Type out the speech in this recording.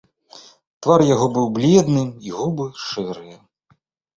Твар яго быў бледны і губы шэрыя.